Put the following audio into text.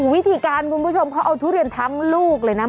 วิธีการคุณผู้ชมเขาเอาทุเรียนทั้งลูกเลยนะ